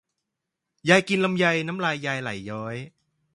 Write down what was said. ยายกินลำไยน้ำลายยายไหลย้อย